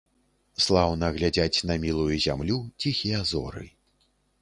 Слаўна глядзяць на мілую зямлю ціхія зоры.